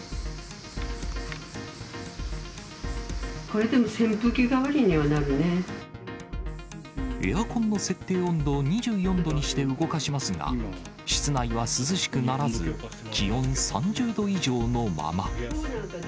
これでも扇風機代わりにはなエアコンの設定温度を２４度にして動かしますが、室内は涼しくならず、気温３０度以上のまま。